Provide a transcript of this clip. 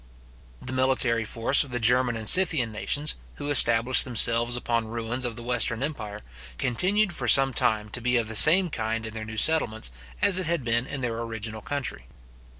The military force of the German and Scythian nations, who established themselves upon ruins of the western empire, continued for some time to be of the same kind in their new settlements, as it had been in their original country.